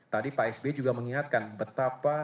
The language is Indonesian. tadi pak s b juga mengingatkan betapa